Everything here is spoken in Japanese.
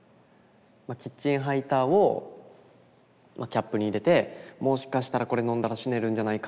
キッチンハイターをキャップに入れてもしかしたらこれ飲んだら死ねるんじゃないか。